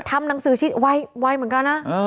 ทำหนังสือชิดไวเหมือนกันนะ